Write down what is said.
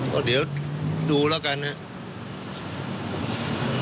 ก็เดี๋ยวดูแล้วกันนะครับ